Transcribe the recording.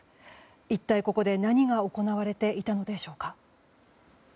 一体ここで何が行われていたのでしょうか。